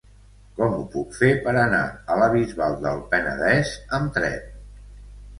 Com ho puc fer per anar a la Bisbal del Penedès amb tren?